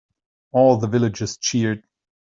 All the villagers cheered.